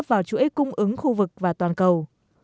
vào chuỗi cung ứng khu vực và toàn cầu